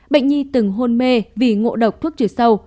bệnh nhi từng hôn mê vì ngộ độc thuốc trừ sâu